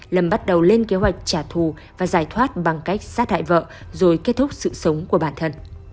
lâm bắt đầu lên kế hoạch trả thù và giải thoát bằng cách sát hại vợ rồi kết thúc sự sống của bản thân